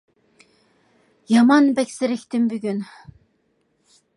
يامان بەك زېرىكتىم بۈگۈن!